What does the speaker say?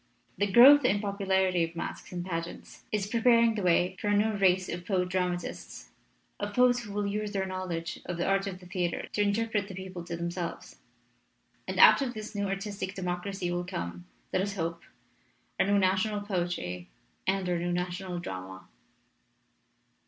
The growth in popu larity of masques and pageants is preparing the way for a new race of poet dramatists, of poets who will use their knowledge of the art of the theater to interpret the people to themselves. And out of this new artistic democracy will come, let us hope, our new national poetry and our new national drama."